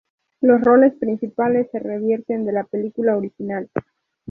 Los roles principales se revierten de la película original.